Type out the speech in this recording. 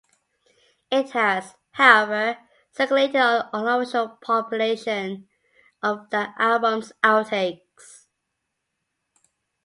It has, however, circulated on an unofficial compilation of that album's outtakes.